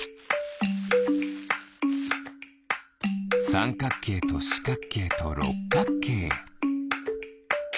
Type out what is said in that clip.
さんかくけいとしかくけいとろっかくけい。